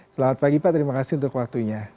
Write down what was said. selamat pagi pak terima kasih untuk waktunya